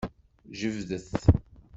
Jebdet.